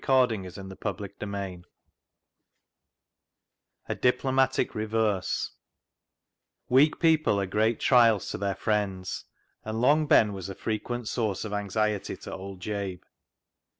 A Diplomatic Reverse I I 215 A Diplomatic Reverse Weak people are great trials to their friends, and Long Ben was a frequent source of anxiety to old Jabe.